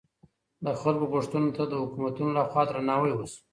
د خلګو غوښتنو ته د حکومتونو لخوا درناوی وسو.